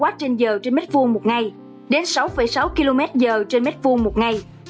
từ bốn ba kwh trên giờ trên mét vuông một ngày đến sáu sáu kmh trên mét vuông một ngày